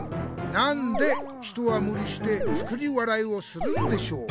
なんで人はむりして『作り笑い』をするんでしょう？」。